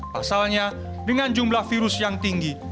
pasalnya dengan jumlah virus yang tinggi